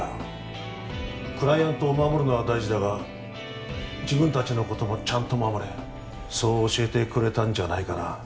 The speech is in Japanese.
クライアントを護るのは大事だが自分たちの事もちゃんと護れそう教えてくれたんじゃないかな？